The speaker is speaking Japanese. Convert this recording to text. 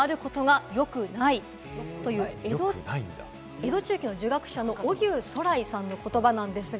江戸中期の儒学者の荻生徂徠さんの言葉です。